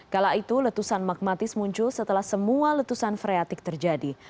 kala itu letusan magmatis muncul setelah semua letusan freatik terjadi